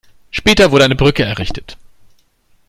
Später wurde eine Brücke errichtet.